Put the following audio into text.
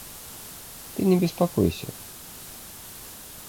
Ты не беспокойся.